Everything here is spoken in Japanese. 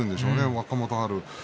若元春は。